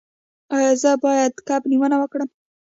ایا زه باید کب نیونه وکړم؟